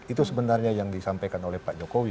itu sebenarnya yang disampaikan oleh pak jokowi